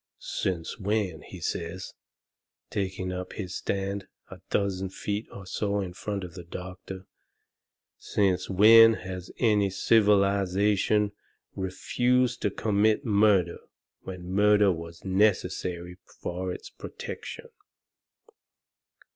"Since when," he says, taking up his stand a dozen feet or so in front of the doctor, "since when has any civilization refused to commit murder when murder was necessary for its protection?"